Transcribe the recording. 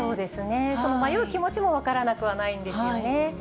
その迷う気持ちも分からなくはないんですよね。